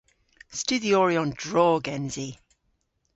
Studhyoryon drog ens i.